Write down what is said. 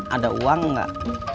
ada uang gak